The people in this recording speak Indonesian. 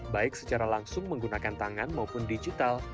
baik secara langsung menggunakan tangan maupun digital